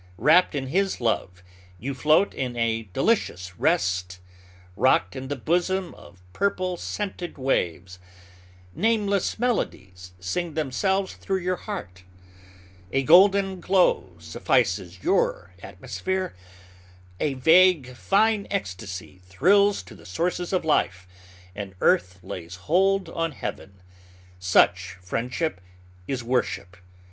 Wrapped in his love, you float in a delicious rest, rocked in the bosom of purple, scented waves. Nameless melodies sing themselves through your heart. A golden glow suffices your atmosphere. A vague, fine ecstasy thrills to the sources of life, and earth lays hold on Heaven. Such friendship is worship.